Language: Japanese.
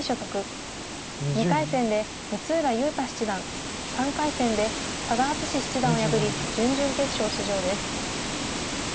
２回戦で六浦雄太七段３回戦で佐田篤史七段を破り準々決勝出場です。